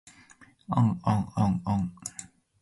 あんあんあ ｎ